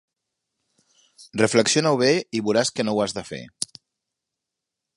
Reflexiona-ho bé i veuràs que no ho has de fer.